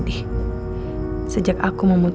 beri ikan ter prod